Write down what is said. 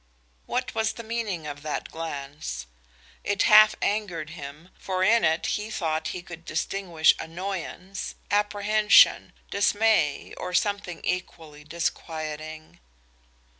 What was the meaning of that glance? It half angered him, for in it he thought he could distinguish annoyance, apprehension, dismay or something equally disquieting.